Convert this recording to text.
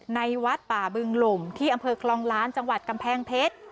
วัดป่าบึงหล่มที่อำเภอคลองล้านจังหวัดกำแพงเพชร